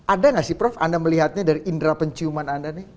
ada nggak sih prof anda melihatnya dari indera penciuman anda nih